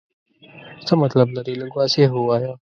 څه مطلب لرې ؟ لږ واضح ووایه.